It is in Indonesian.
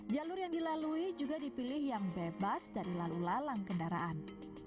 jalur yang dilalui juga dipilih yang bebas dari lalu lalang kendaraan